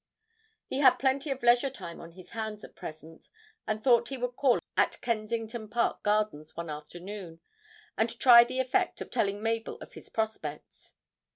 He had plenty of leisure time on his hands at present, and thought he would call at Kensington Park Gardens one afternoon, and try the effect of telling Mabel of his prospects.